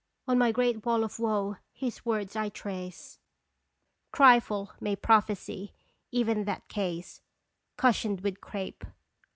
On my Great Wall of woe his words I trace ! Trifle may prophesy, even that case, Cushioned with crape.